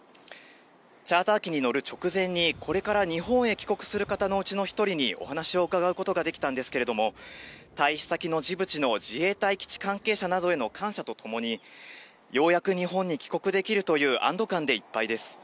チャーター機に乗る直前にこれから日本へ帰国する方のうちの１人にお話を伺うことができたんですけれども、退避先のジブチの自衛隊基地関係者などへの感謝とともに、ようやく日本に帰国できるという安ど感でいっぱいです。